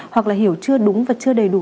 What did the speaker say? hoặc là hiểu chưa đúng và chưa đầy đủ